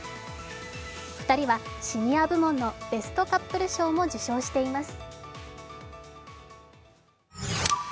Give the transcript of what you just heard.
２人はシニア部門のベストカップル賞も受賞しています。